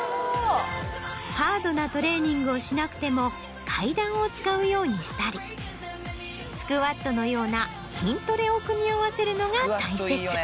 ハードなトレーニングをしなくても階段を使うようにしたりスクワットのような筋トレを組み合わせるのが大切。